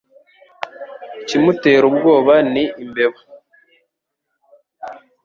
ikimutera ubwoba ni imbeba